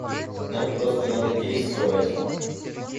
Нам просто надо действовать.